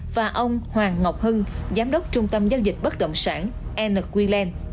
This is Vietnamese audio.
và ông hoàng ngọc hưng giám đốc trung tâm giao dịch bất động sản nqland